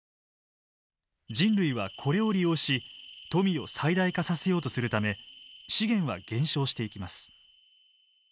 人類はこれを利用し富を最大化させようとするため資源は減少していきます。